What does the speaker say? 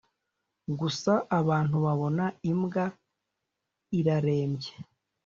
gusa, abantu babona imbwa irarembye.